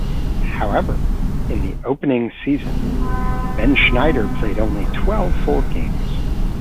However, in the opening season Benschneider played only twelve full games.